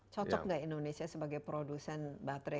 cocok nggak indonesia sebagai produsen baterai